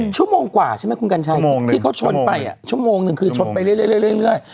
ชั่วโมงกว่าใช่ไหมคุณกัญชัยที่เขาชนไปชั่วโมงหนึ่งคือชนไปเรื่อย